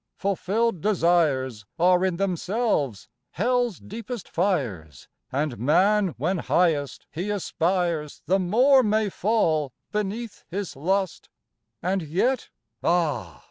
fulfilled desires Are in themselves Hell's deepest fires, And man when highest he aspires The more may fall beneath his lust. And yet, ah!